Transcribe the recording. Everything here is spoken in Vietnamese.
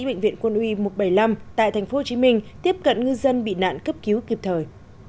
bệnh viện quân y một trăm bảy mươi năm tại tp hcm tiếp cận ngư dân bị nạn cấp cứu kịp thời